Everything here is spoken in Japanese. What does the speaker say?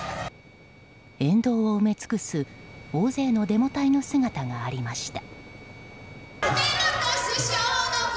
沿道を埋め尽くす大勢のデモ隊の姿がありました。